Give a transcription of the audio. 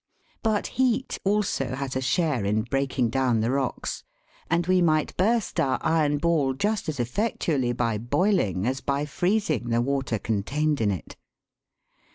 But heat also has a share in breaking down the rocks, and we might burst our iron ball just as effectually by boil ing as by freezing the water contained in it.